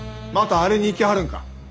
またあれに行きはるんか？